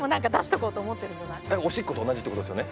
おしっこと同じってことですよね？